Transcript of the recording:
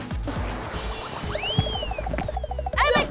aduh mana tanjakan lagi aduh